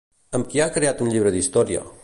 Amb qui ha creat un llibre d'història?